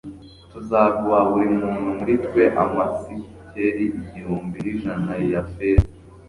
tuzaguha buri muntu muri twe amasikeli igihumbi n'ijana ya feza